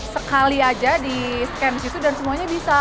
sekali aja di scan di situ dan semuanya bisa